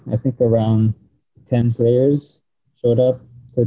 saya pikir sekitar sepuluh pemain muncul untuk mencoba